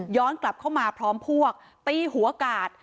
กลับเข้ามาพร้อมพวกตีหัวกาด